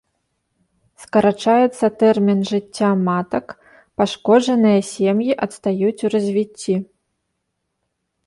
Скарачаецца тэрмін жыцця матак, пашкоджаныя сем'і адстаюць ў развіцці.